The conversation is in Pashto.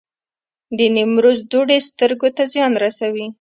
د نیمروز دوړې سترګو ته زیان رسوي؟